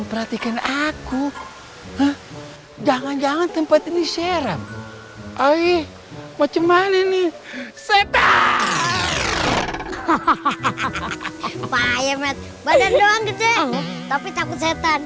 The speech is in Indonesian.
pahaya mat badan doang gede tapi takut setan